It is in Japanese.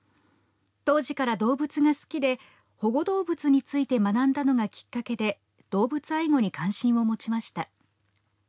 当時から動物が好きで保護動物について学んだのがきっかけで動物愛護に関心を持ちました。